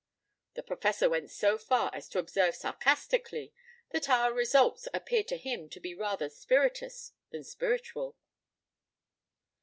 The Professor went so far as to observe sarcastically that our results appeared to him to be rather spirituous than spiritual.